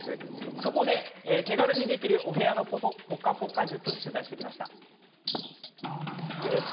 そこで手軽にできるお部屋のぽかぽか術取材してきました。